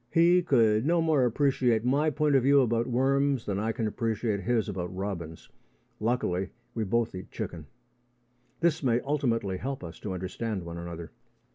He could no more appreciate my point of view about worms than I can appreciate his about robins. Luckily, we both eat chicken. This may ultimately help us to understand one another.